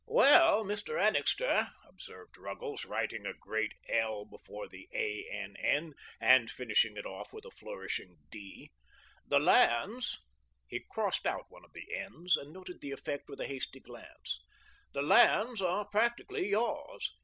"Well, Mr. Annixter," observed Ruggles, writing a great L before the ANN, and finishing it off with a flourishing D. "The lands" he crossed out one of the N's and noted the effect with a hasty glance "the lands are practically yours.